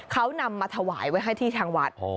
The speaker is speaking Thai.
เขานำมาถวายไว้ให้ที่ทางวัด